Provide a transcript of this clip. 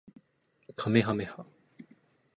かめはめ波